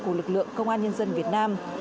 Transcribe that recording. của lực lượng công an nhân dân việt nam